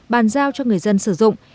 bàn giao cho người dân sử dụng